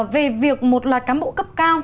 về việc một loạt cán bộ cấp cao